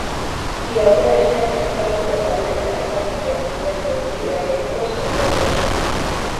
Iraupen-eskia praktikatzeko eta elur-erraketen bidezko ibilbideak egiteko estazio aproposa da.